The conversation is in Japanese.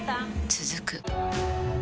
続く